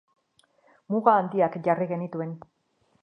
Muga handiak jarri genituen.